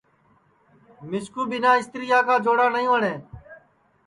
مِسکُو ٻنا اِستریا کا جوڑا نئی وٹؔے